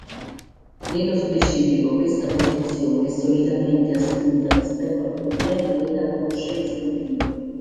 Nello specifico questa posizione è solitamente assunta rispetto al problema della conoscenza di Dio.